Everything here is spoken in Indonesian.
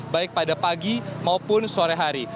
baik pada pagi maupun sore hari